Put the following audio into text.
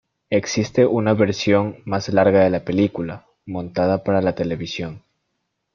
Existe una versión más larga de la película, montada para la televisión.